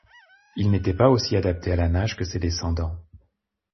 Il n'était pas aussi adapté à la nage que ses descendants.